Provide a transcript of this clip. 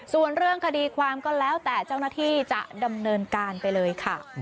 ส่วนเรื่องคดีความก็แล้วแต่เจ้าหน้าที่จะดำเนินการไปเลยค่ะ